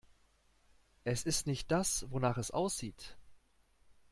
Es ist nicht das, wonach es aussieht.